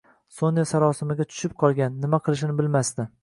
Sonya sarosimaga tushib qolgan, nima qilishini bilmasdi